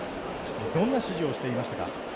どんな指示をしていましたか？